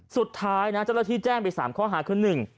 สุดท้ายนะเจ้าหน้าที่แจ้งไป๓ข้อหาคือ๑